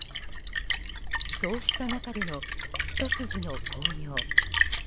そうした中でのひと筋の光明。